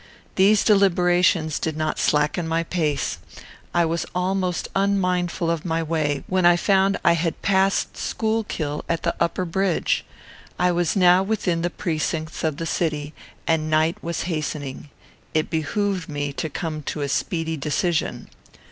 These deliberations did not slacken my pace. I was almost unmindful of my way, when I found I had passed Schuylkill at the upper bridge. I was now within the precincts of the city, and night was hastening. It behooved me to come to a speedy decision.